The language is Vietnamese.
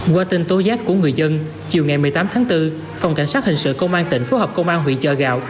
qua tin tố giác của người dân chiều ngày một mươi tám tháng bốn phòng cảnh sát hình sự công an tỉnh phối hợp công an huyện chợ gạo